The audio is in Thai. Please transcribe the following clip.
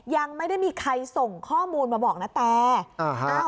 ยังไม่ได้มีใครส่งข้อมูลมาบอกนาแตอ่าฮะ